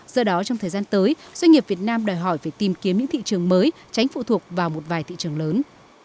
do đó trong thời gian tới doanh nghiệp việt nam đòi hỏi phải tìm kiếm những thị trường mới tránh phụ thuộc vào một vài thị trường lớn